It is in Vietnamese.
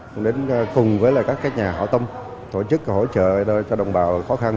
cũng đến cùng với các nhà hảo tâm tổ chức hỗ trợ cho đồng bào khó khăn